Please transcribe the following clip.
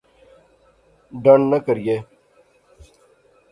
ڈنڈ نہ کریئے